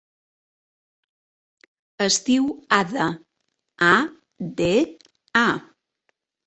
Es diu Ada: a, de, a.